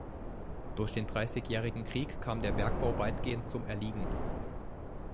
Durch den Dreißigjährigen Krieg kam der Bergbau weitgehend zum erliegen.